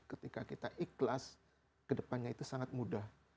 ketika kita ikhlas kedepannya itu sangat mudah